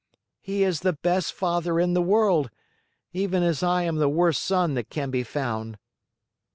"He is the best father in the world, even as I am the worst son that can be found."